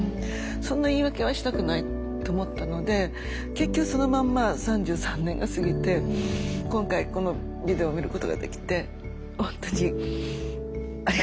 そんな言い訳はしたくないと思ったので結局そのまんま３３年が過ぎて今回このビデオ見ることができてほんとにありがとうございます。